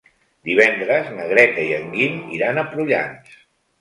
Divendres na Greta i en Guim iran a Prullans.